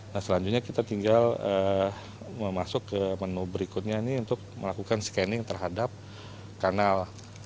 nah selanjutnya kita tinggal memasuk ke menu berikutnya ini untuk melakukan scanning terhadap kanal